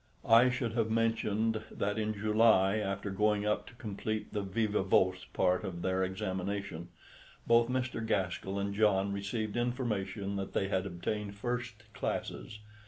I should have mentioned that in July, after going up to complete the viva voce part of their examination, both Mr. Gaskell and John received information that they had obtained "first classes."